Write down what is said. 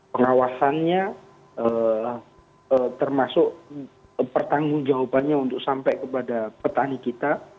pengawasannya termasuk pertanggung jawabannya untuk sampai kepada petani kita